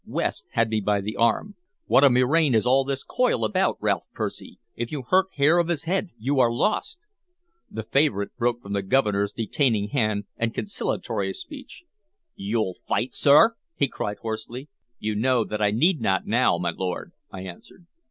West had me by the arm. "What a murrain is all this coil about, Ralph Percy? If you hurt hair of his head, you are lost!" The favorite broke from the Governor's detaining hand and conciliatory speech. "You'll fight, sir?" he cried hoarsely. "You know that I need not now, my lord," I answered.